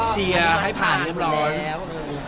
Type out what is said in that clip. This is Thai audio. พี่ไปผ่านแล้ว